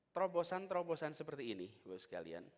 terobosan terobosan seperti ini